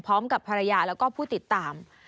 พร้อมกับภรรยาแล้วก็ผู้ติดตาม